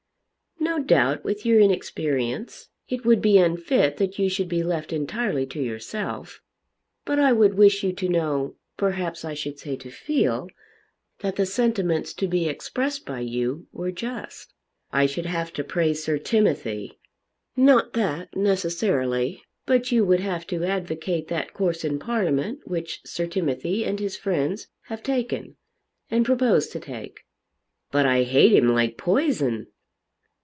"No doubt with your inexperience it would be unfit that you should be left entirely to yourself. But I would wish you to know, perhaps I should say to feel, that the sentiments to be expressed by you were just." "I should have to praise Sir Timothy." "Not that necessarily. But you would have to advocate that course in Parliament which Sir Timothy and his friends have taken and propose to take." "But I hate him like poison."